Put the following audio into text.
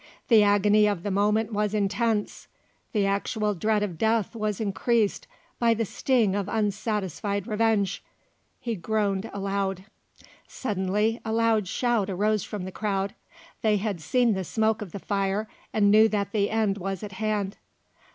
The agony of the moment was intense; the actual dread of death was increased by the sting of unsatisfied revenge; he groaned aloud. Suddenly a loud shout arose from the crowd. They had seen the smoke of the fire and knew that the end was at hand.